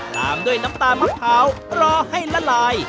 ตามด้วยน้ำตาลมะพร้าวรอให้ละลาย